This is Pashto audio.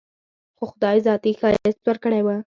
خو خداى ذاتي ښايست وركړى و.